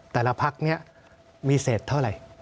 แต่ละพักนี้มีเศษเท่าไหร่